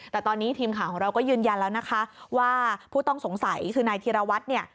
แต่ตอนนี้ทีมข่าวของเราก็ยืนยันแล้วนะคะว่าผู้ต้องสงสัยคือนายธีรวัตรเนี่ย